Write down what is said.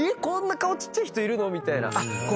こんな顔ちっちゃい人いるの？みたいな。